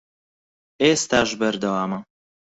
ئێستاش بەردەوامە